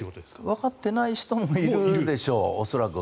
わかっていない人もいるんでしょう、恐らく。